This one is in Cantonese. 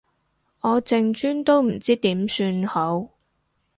我淨專都唔知點算好